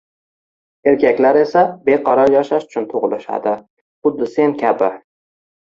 Erkaklar esa beqaror yashash uchun tug`ilishadi, xuddi sen kabi